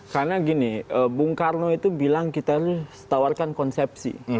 karena gini bung karno itu bilang kita harus tawarkan konsepsi